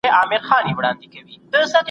حنفي فقهاء وايي.